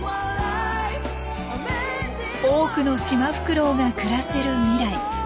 多くのシマフクロウが暮らせる未来。